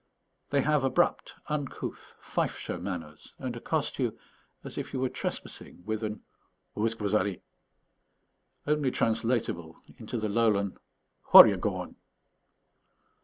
They have abrupt, uncouth, Fifeshire manners, and accost you, as if you were trespassing, with an "Où'st ce que vous allez?" only translatable into the Lowland "Whau'r ye gaun?"